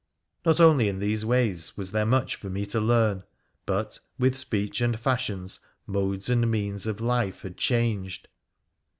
Not only in these ways was there much for me to learn, but, with speech and fashions, modes and means of life had changed.